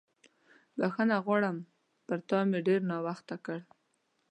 بښنه غواړم، پر تا مې ډېر ناوخته وکړ.